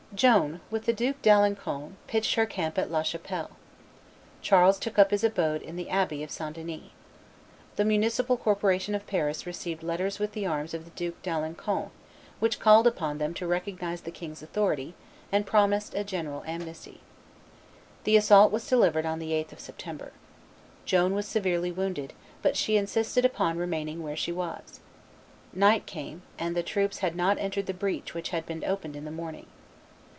Joan, with the Duke d'Alencon, pitched her camp at La Chapelle. Charles took up his abode in the abbey of St. Denis. The municipal corporation of Paris received letters with the arms of the Duke d'Alencon, which called upon them to recognize the king's authority, and promised a general amnesty. The assault was delivered on the 8th of September. Joan was severely wounded, but she insisted upon remaining where she was. Night came, and the troops had not entered the breach which had been opened in the morning.